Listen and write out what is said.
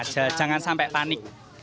jangan sampai panik